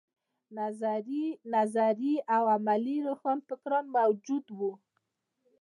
نظري او عملي روښانفکران موجود وو.